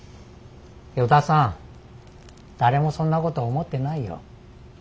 依田さん誰もそんなこと思ってないよ。